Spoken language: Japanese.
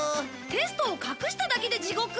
テストを隠しただけで地獄！？